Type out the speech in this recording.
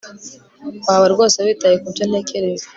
Waba rwose witaye kubyo ntekereza